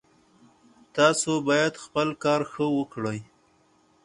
تاسو باید خپل کار ښه وکړئ